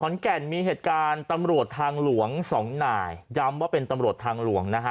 นแก่นมีเหตุการณ์ตำรวจทางหลวงสองนายย้ำว่าเป็นตำรวจทางหลวงนะฮะ